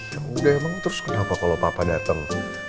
yang udah emang terus kenapa kalau papa datang